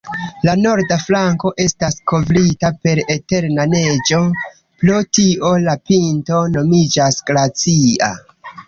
La norda flanko estas kovrita per eterna neĝo, pro tio la pinto nomiĝas glacia.